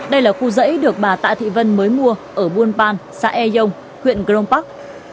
đây là khu rẫy được bà tạ thị vân mới mua ở buôn pan xã e dông huyện grom park